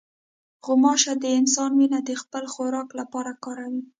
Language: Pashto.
غوماشه د انسان وینه د خپل خوراک لپاره کاروي.